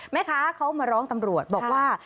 แม่ค้าเขามาร้องตำรวจบอกว่า